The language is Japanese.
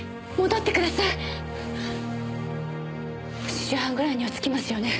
８時半ぐらいには着きますよね？